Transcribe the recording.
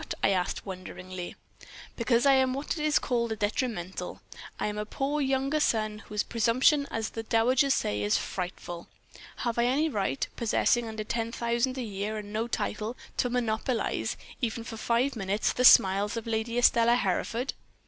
I asked, wonderingly. "'Because I am what is called a detrimental. I am a poor younger son, whose presumption, as the dowagers say, is frightful. Have I any right, possessing under ten thousand a year and no title, to monopolize, even for five minutes, the smiles of Lady Estelle Hereford?'